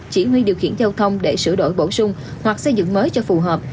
chỉ huy điều khiển giao thông để sửa đổi bổ sung hoặc xây dựng mới cho phù hợp